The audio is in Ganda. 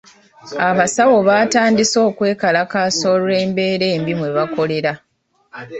Abasawo baatandise okwekalakaasa olw'embeera embi mwe bakolera.